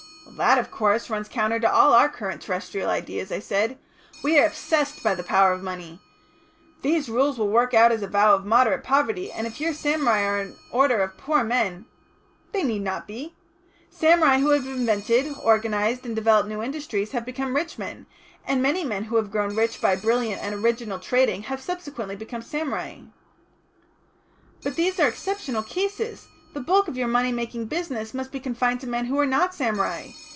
"That, of course, runs counter to all our current terrestrial ideas," I said. "We are obsessed by the power of money. These rules will work out as a vow of moderate poverty, and if your samurai are an order of poor men " "They need not be. Samurai who have invented, organised, and developed new industries, have become rich men, and many men who have grown rich by brilliant and original trading have subsequently become samurai." "But these are exceptional cases. The bulk of your money making business must be confined to men who are not samurai.